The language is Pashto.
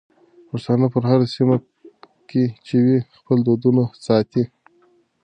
پښتانه په هره سيمه کې چې وي خپل دودونه ساتي.